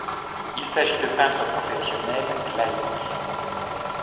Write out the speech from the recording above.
Il s'agit de peintres professionnels, laïques.